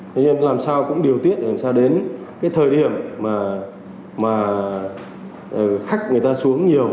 thế nhưng làm sao cũng điều tiết làm sao đến cái thời điểm mà khách người ta xuống nhiều